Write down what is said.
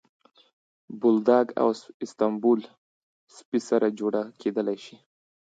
بولداګ او اسپانیول سپي سره جوړه کېدلی شي.